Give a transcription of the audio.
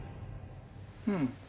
うん。